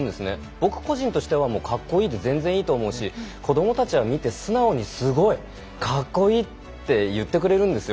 僕個人としてはかっこいいで全然いいと思うし子どもたちは見て素直にすごい格好いいって言ってくれるんですよ。